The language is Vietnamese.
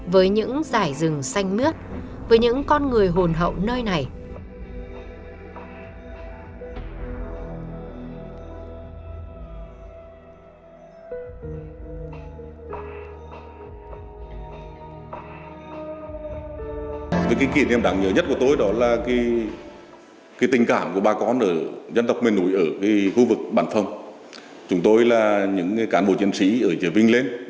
với những giải rừng xanh mướt với những con người hồn hậu nơi này